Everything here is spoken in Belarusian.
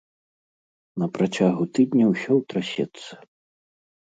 На працягу тыдня ўсё ўтрасецца.